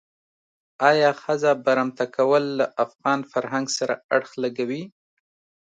آیا ښځه برمته کول له افغان فرهنګ سره اړخ لګوي.